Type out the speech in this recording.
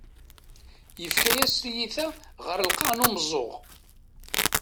Yefka-yas tiyita ɣer lqaɛ n umeẓẓuɣ.